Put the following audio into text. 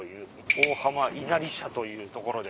大浜稲荷社というところで。